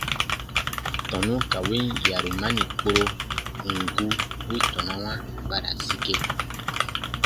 Tɔnu ka win yarumani kpuro, ù n gu, wi tɔnawa ba ra sike.